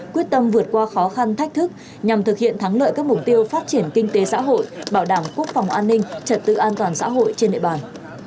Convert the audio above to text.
quyết tâm vượt qua khó khăn thách thức nhằm thực hiện thắng lợi các mục tiêu phát triển kinh tế xã hội bảo đảm quốc phòng an ninh trật tự an toàn xã hội trên địa bàn